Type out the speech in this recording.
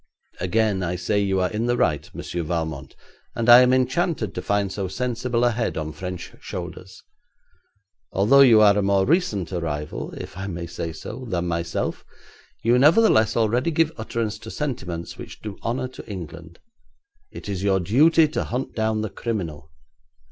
'Again I say you are in the right, Monsieur Valmont, and I am enchanted to find so sensible a head on French shoulders. Although you are a more recent arrival, if I may say so, than myself, you nevertheless already give utterance to sentiments which do honour to England. It is your duty to hunt down the criminal.